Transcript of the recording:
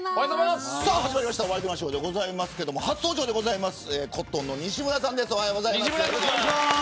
始まりましたワイドナショーですけど初登場コットンの西村さんです。